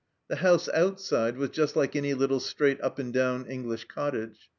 The house outside was just like any little straight up and down English cottage.